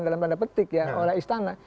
dalam tanda petik ya oleh istana